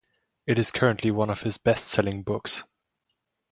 It is currently one of his bestselling books.